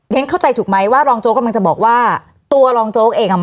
ฉันเข้าใจถูกไหมว่ารองโจ๊กกำลังจะบอกว่าตัวรองโจ๊กเองอ่ะ